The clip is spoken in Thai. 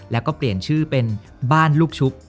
แล้วก็เปลี่ยนชื่อเป็นบ้านลูกชุบ